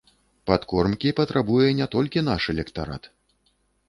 Падкормкі патрабуе не толькі наш электарат.